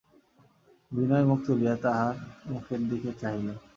বিনয় মুখ তুলিয়া তাঁহার মুখের দিকে চাহিল।